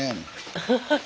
アハハハッ。